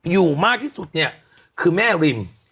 อยู่มากที่สุดคือแม่ริม